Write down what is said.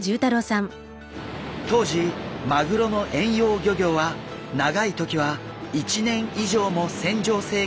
当時マグロの遠洋漁業は長い時は１年以上も船上生活が続きました。